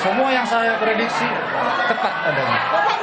semua yang saya prediksi tepat adanya